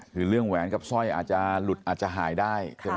คือเรื่องแหวนกับสร้อยอาจจะหายได้